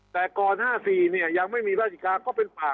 แต่ก่อน๕๔ยังไม่มีราชการก็เป็นป่า